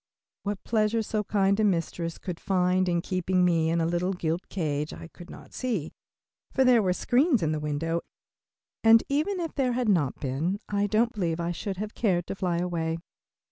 What pleasure so kind a mistress could find in keeping me in a little gilt cage, I could not see, for there were screens in the window, and even if there had not been I don't believe I should have cared to fly away.